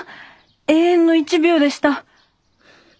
永遠の１秒でした。